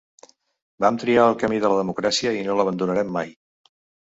Vam triar el camí de la democràcia i no l’abandonarem mai.